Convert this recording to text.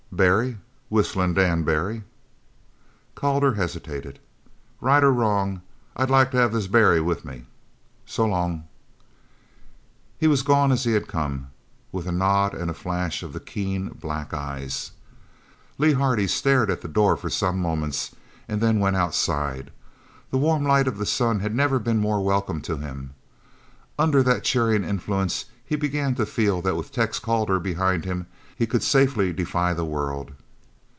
"Barry. Whistling Dan Barry." Calder hesitated. "Right or wrong, I'd like to have this Barry with me. So long." He was gone as he had come, with a nod and a flash of the keen, black eyes. Lee Hardy stared at the door for some moments, and then went outside. The warm light of the sun had never been more welcome to him. Under that cheering influence he began to feel that with Tex Calder behind him he could safely defy the world.